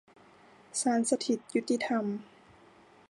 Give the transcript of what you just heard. ศาลสถิตยุติธรรม